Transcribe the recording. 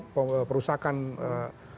ada pembakaran asrama primop